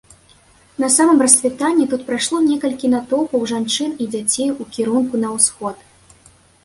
На самым рассвітанні тут прайшло некалькі натоўпаў жанчын і дзяцей у кірунку на ўсход.